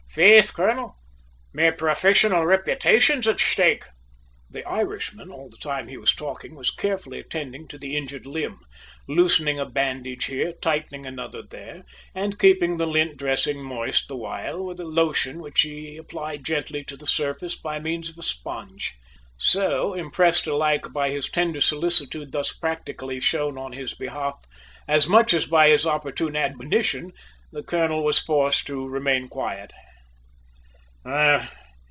Faith, colonel, me profissional reputation's at shtake!" The Irishman, all the time he was talking, was carefully attending to the injured limb, loosening a bandage here, tightening another there, and keeping the lint dressing moist the while with a lotion which he applied gently to the surface by means of a sponge. So, impressed alike by his tender solicitude thus practically shown on his behalf as much as by his opportune admonition, the colonel was forced to remain quiet.